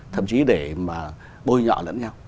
thậm chí để mà bôi nhọ lẫn nhau